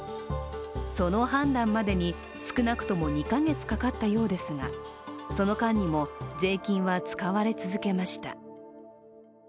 その判断までに少なくとも２か月かかったようですがその間にも税金は使われ続けました。